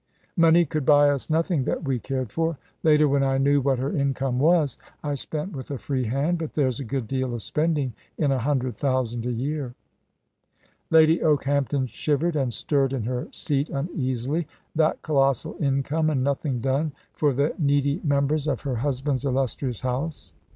Money could buy us nothing that we cared for. Later, when I knew what her income was, I spent with a free hand; but there's a good deal of spending in a hundred thousand a year " Lady Okehampton shivered, and stirred in her seat uneasily. That colossal income, and nothing done for the needy members of her husband's illustrious house!